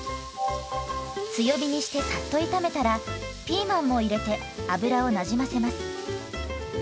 強火にしてさっと炒めたらピーマンも入れて油をなじませます。